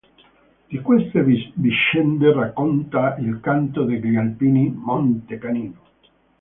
Di queste vicende racconta il canto degli alpini "Monte Canino".